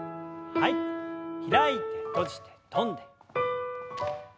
開いて閉じて跳んで。